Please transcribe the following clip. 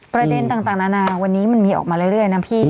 ประเด็นต่างนานาวันนี้มันมีออกมาเรื่อยนะพี่